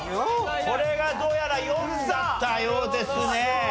これがどうやら４だったようですね。